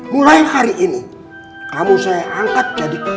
mulai hari ini kamu saya angkat jadi